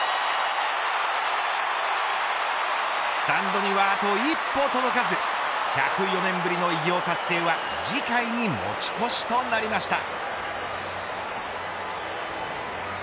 スタンドにはあと一歩届かず１０４年ぶりの偉業達成は次回に持ち越しとなりました。